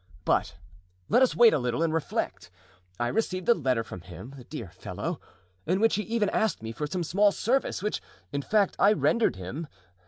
But let us wait a little and reflect. I received a letter from him, the dear fellow, in which he even asked me for some small service, which, in fact, I rendered him.